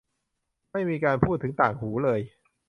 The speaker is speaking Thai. ไม่มีการพูดถึงต่างหูเลย